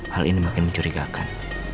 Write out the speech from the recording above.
hal ini makin mencurigakan